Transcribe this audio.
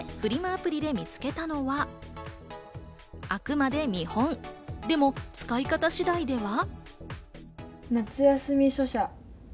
アプリで見つけたのは、あくまで見本、でも使い方次第では。